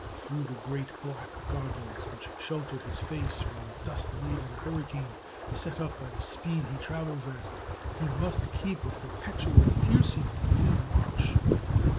Through the great black goggles which shelter his face from the dust laden hurricane set up by the speed he travels at he must keep a perpetual, piercingly keen watch.